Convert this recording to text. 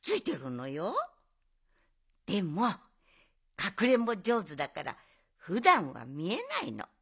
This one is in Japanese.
でもかくれんぼじょうずだからふだんはみえないの。